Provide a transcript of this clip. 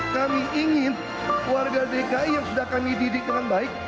kami ingin warga dki yang sudah kami didik dengan baik